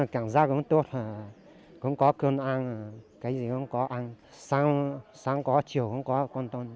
cảm giác cũng tốt cũng có cơm ăn cái gì cũng có ăn sáng có chiều cũng có con tôn